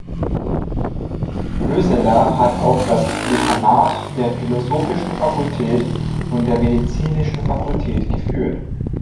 Röseler hat auch das Dekanat der philosophischen Fakultät und der medizinischen Fakultät geführt.